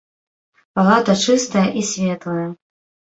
Палата чыстая і светлая.